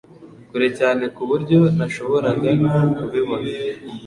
kure cyane kuburyo ntashoboraga kubibona